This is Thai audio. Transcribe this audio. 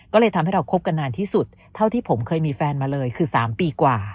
ก็เลยทำให้เราคบกันนานที่สุดเท่าที่ผมเคยมีแฟนมาเลยคือ๓ปีกว่า